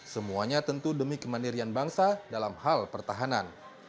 semuanya tentu demi kemandirian bangsa dalam hal pertahanan